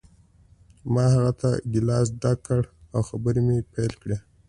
ما هغه ته ګیلاس ډک کړ او خبرې مې پیل کړې